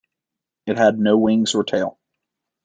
It had no wings or tail.